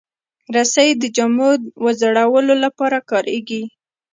رسۍ د جامو وځړولو لپاره کارېږي.